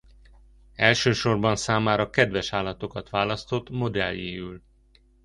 Elsősorban számára kedves állatokat választott modelljéül.